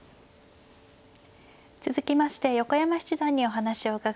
続きまして横山七段にお話を伺います。